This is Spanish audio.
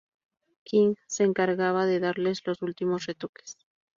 Knight se encargaba de darles los últimos retoques.